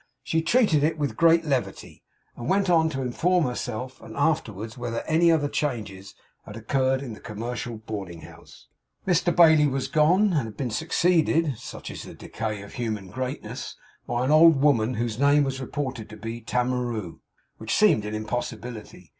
She treated it with great levity, and went on to inform herself, then and afterwards, whether any other changes had occurred in the commercial boarding house. Mr Bailey was gone, and had been succeeded (such is the decay of human greatness!) by an old woman whose name was reported to be Tamaroo which seemed an impossibility.